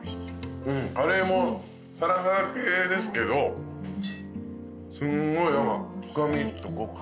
カレーもサラサラ系ですけどすごい深みとコクと。